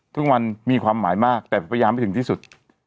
ทุกวันมีความหมายมากแต่พยายามไปถึงที่สุด